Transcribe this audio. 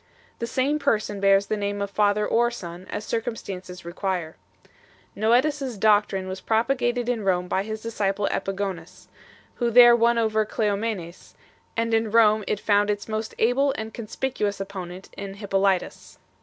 The same Person bears the name of Father or Son, as circumstances require. Noetus s doctrine was propagated in Rome by his disciple Epigonus 2 , who there won over Cleomenes, and in Rome it found its most able and conspicuous opponent in Hjp polytus.